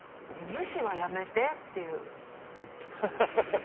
「“無視はやめて”って言う」。